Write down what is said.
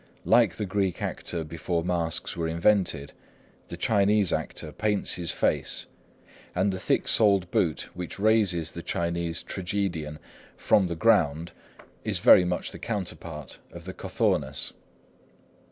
Like the Greek actor before masks were invented, the Chinese actor paints his face, and the thick soled boot which raises the Chinese tragedian from the ground is very much the counterpart of the cothurnus.